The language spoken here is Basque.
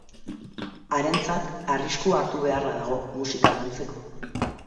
Harentzat, arriskua hartu beharra dago musika lantzeko.